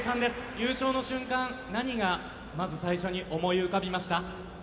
優勝の瞬間何がまず最初に思い浮かびました。